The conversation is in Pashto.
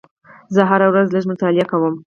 زه هره ورځ لږ مطالعه کوم.